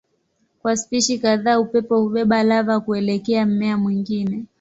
Kwa spishi kadhaa upepo hubeba lava kuelekea mmea mwingine.